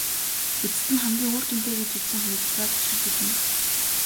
Эцэст нь хамгийн үр дүнтэй гэж үзсэн хувилбараа туршиж үзнэ.